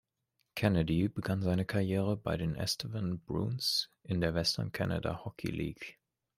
Kennedy begann seine Karriere bei den Estevan Bruins in der Western Canada Hockey League.